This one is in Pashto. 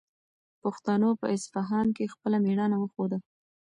پښتنو په اصفهان کې خپله مېړانه وښوده.